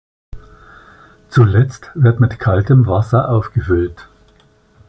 Zuletzt wird mit kaltem Wasser aufgefüllt.